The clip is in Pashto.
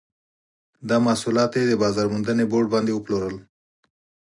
دا محصولات یې د بازار موندنې بورډ باندې وپلورل.